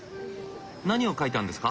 何を書いたんですか？